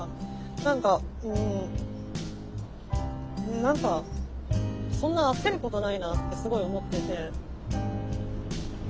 何か何かそんな焦ることないなってすごい思ってて。